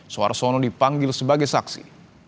suarsono dipanggil sebagai saksi